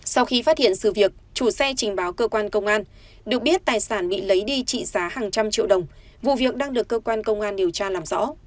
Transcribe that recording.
sau khi phát hiện sự việc chủ xe trình báo cơ quan công an được biết tài sản bị lấy đi trị giá hàng trăm triệu đồng vụ việc đang được cơ quan công an điều tra làm rõ